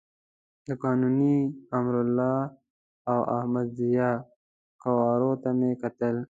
د قانوني، امرالله او احمد ضیاء قوارو ته مې کتل.